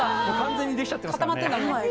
もう完全にできちゃってますからね。